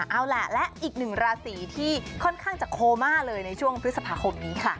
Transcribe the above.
เอาล่ะและอีกหนึ่งราศีที่ค่อนข้างจะโคม่าเลยในช่วงพฤษภาคมนี้ค่ะ